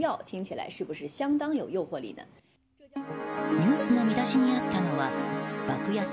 ニュースの見出しにあったのは爆痩せ